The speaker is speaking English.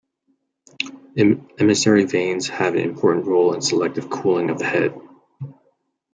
Emissary veins have an important role in selective cooling of the head.